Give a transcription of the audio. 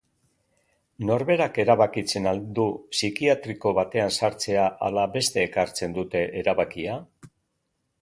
Norberak erabakitzen al du psikiatriko batean sartzea ala besteek hartzen dute erabakia?